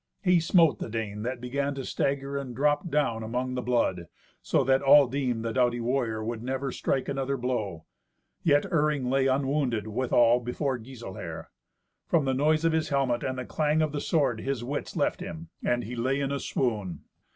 He smote the Dane, that began to stagger, and dropped down among the blood, so that all deemed the doughty warrior would never strike another blow. Yet Iring lay unwounded withal before Giselher. From the noise of his helmet and the clang of the sword his wits left him, and he lay in a swoon.